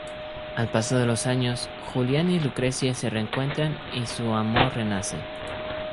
Al paso de los años, Julián y Lucrecia se reencuentran y su amor renace.